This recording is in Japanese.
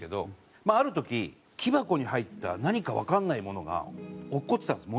まあある時木箱に入った何かわからないものが落っこちてたんです